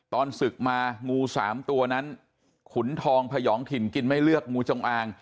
ตอนศึกมางู๓ตัวนั้นขุนทองพยองถิ่นกินไม่เลือกงูจงอาง